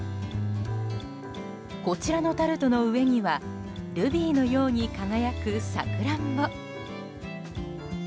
こちらのタルトの上にはルビーのように輝くサクランボ。